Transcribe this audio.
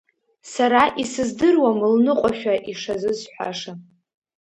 Сара исыздыруам лныҟәашәа ишазысҳәаша.